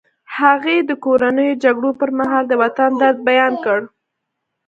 هغې د کورنیو جګړو پر مهال د وطن درد بیان کړ